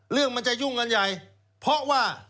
เรื่องมันจะยุ่งกันใหญ่เพราะว่า